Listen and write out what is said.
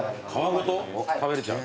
食べれちゃう。